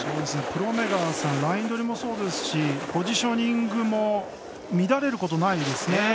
プロメガーさんライン取りもそうですしポジショニングも乱れることないですね。